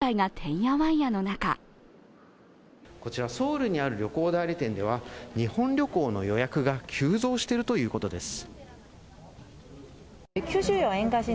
日本の観光業界がてんやわんやの中こちら、ソウルにある旅行代理店では日本旅行の予約が急増しているということです。